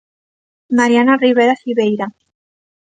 Mariana Rivera Civeira.